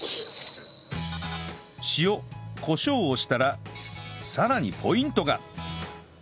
塩コショウをしたらさらにポイントが！